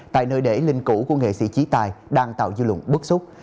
tại nơi để linh cũ của nghệ sĩ trí tài đang tạo dư luận bức xúc